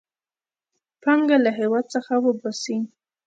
پانګه له هېواد څخه وباسي.